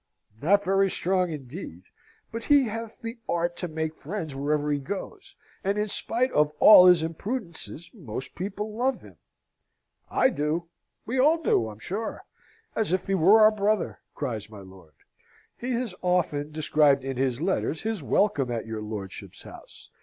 "Not very strong, indeed. But he hath the art to make friends wherever he goes, and in spite of all his imprudences most people love him." "I do we all do, I'm sure! as if he were our brother!" cries my lord. "He has often described in his letters his welcome at your lordship's house.